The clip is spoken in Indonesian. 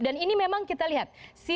dan ini memang kita lihat